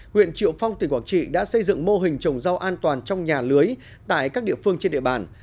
huyện triệu phong tỉnh quảng trị đã xây dựng mô hình trồng rau an toàn trong nhà lưới tại các địa phương trên địa bàn